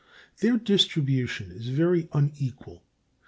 Their distribution is very unequal.